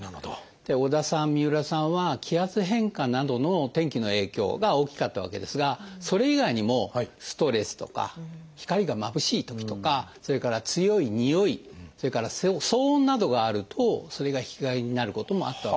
織田さん三浦さんは気圧変化などの天気の影響が大きかったわけですがそれ以外にもストレスとか光がまぶしいときとかそれから強いにおいそれから騒音などがあるとそれが引き金になることもあったわけです。